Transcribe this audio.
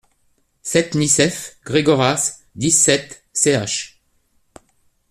sept Nicéph, Gregoras, dix-sept, ch.